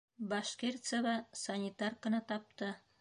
Башкирцева санитарканы тапты.